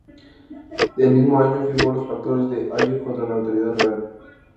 El mismo año firmó los pactos de Ager contra la autoridad real.